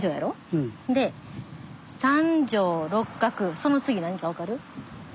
三条六角その次何か分かる？